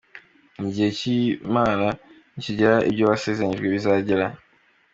Igihe cy'Imana nikigera ibyo basezeranijwe bizagera.